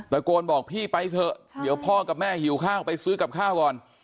โกนบอกพี่ไปเถอะเดี๋ยวพ่อกับแม่หิวข้าวไปซื้อกับข้าวก่อน